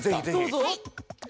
どうぞ。